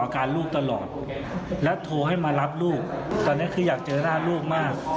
คนแรกของผมครับอยากเจอหน้าลูกมาก